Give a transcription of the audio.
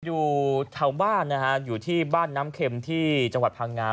อยู่แถวบ้านนะฮะอยู่ที่บ้านน้ำเข็มที่จังหวัดพังงา